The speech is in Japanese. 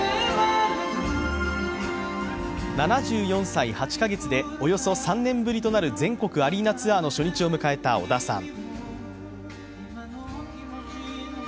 ７４歳８カ月でおよそ３年ぶりとなる全国アリーナツアーの初日を迎えた小田さん。